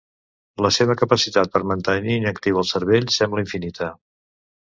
La seva capacitat per mantenir inactiu el cervell sembla infinita.